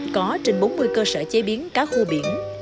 có trên bốn mươi cơ sở chế biến cá khô biển